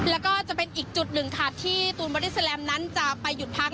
แล้วก็จะเป็นอีกจุดหนึ่งค่ะที่ตูนบอดี้แลมนั้นจะไปหยุดพัก